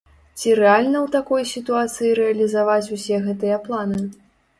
Ці рэальна ў такой сітуацыі рэалізаваць усе гэтыя планы?